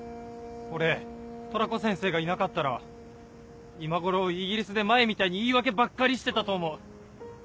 俺トラコ先生がいなかったら今頃イギリスで前みたいに言い訳ばっかりしてたと思う。